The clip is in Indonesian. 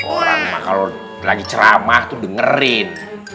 orang mah kalau berani ceramah tuh dengerin